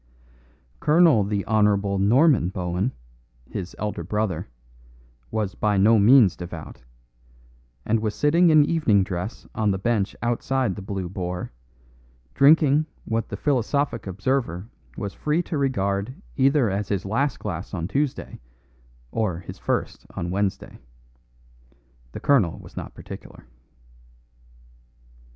Colonel the Hon. Norman Bohun, his elder brother, was by no means devout, and was sitting in evening dress on the bench outside "The Blue Boar," drinking what the philosophic observer was free to regard either as his last glass on Tuesday or his first on Wednesday. The colonel was not particular.